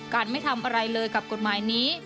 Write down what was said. ไม่ทำอะไรเลยกับกฎหมายนี้